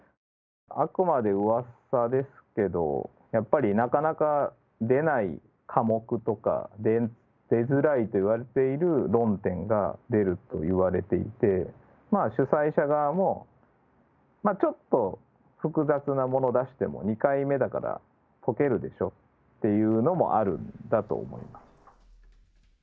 あくまで、うわさですけど、やっぱりなかなか出ない科目とか、出づらいといわれている論点が出るといわれていて、主催者側もちょっと複雑なもの出しても２回目だから解けるでしょっていうのもあるんだと思います。